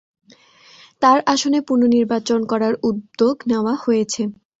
তার আসনে পুননির্বাচন করার উদ্যোগ নেওয়া হয়েছে।